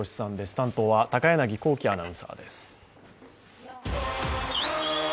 担当は高柳光希アナウンサーです。